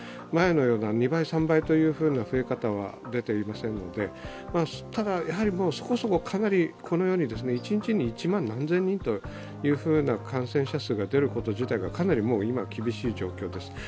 前のような２倍、３倍という増え方は出ていませんので、ただ、もうそこそこかなり、一日に１万何千人という感染者が出ること自体がかなり、もう今、厳しい状況です。